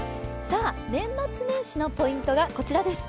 年末年始のポイントがこちらです。